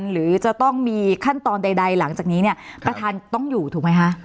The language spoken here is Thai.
หรือจะต้องมีขั้นตอนใดหลังจากนี้เนี่ยประธานต้องอยู่ถูกไหมคะ